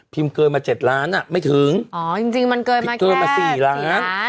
เกินมาเจ็ดล้านอ่ะไม่ถึงอ๋อจริงจริงมันเกินมาสี่ล้าน